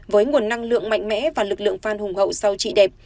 với nguồn năng lượng mạnh mẽ và lực lượng fan hùng hậu sau chị đẹp